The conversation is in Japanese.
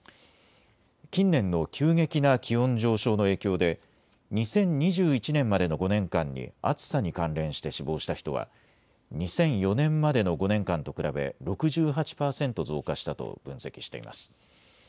近年の急激な気温上昇の影響で２０２１年までの５年間に暑さに関連して死亡した人は２００４年までの５年間と比べ６８％増加したと分析しています。